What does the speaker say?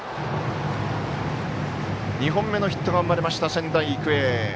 ２本目のヒットが生まれました、仙台育英。